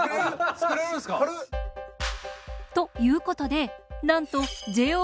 つくれるんすか？ということでなんとＪＯ